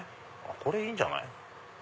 これいいんじゃない。